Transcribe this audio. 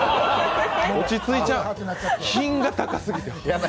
落ち着いちゃった、品が高すぎて。